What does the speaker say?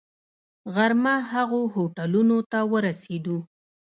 غرمه هغو هوټلونو ته ورسېدو.